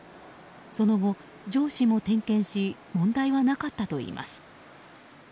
その後、上司も点検し問題はなかったといいます。